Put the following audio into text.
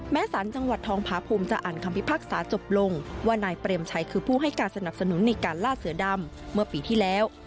สารจังหวัดทองพาภูมิจะอ่านคำพิพากษาจบลงว่านายเปรมชัยคือผู้ให้การสนับสนุนในการล่าเสือดำเมื่อปีที่แล้ว